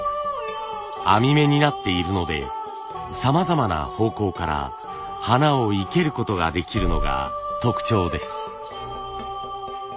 編み目になっているのでさまざまな方向から花を生けることができるのが特徴です。